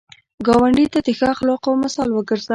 ګاونډي ته د ښه اخلاقو مثال وګرځه